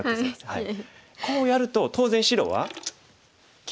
はい。